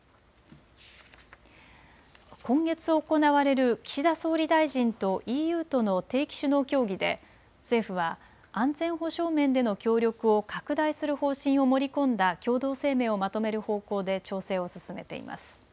今月行われる岸田総理大臣とＥＵとの定期首脳協議で政府は安全保障面での協力を拡大する方針を盛り込んだ共同声明をまとめる方向で調整を進めています。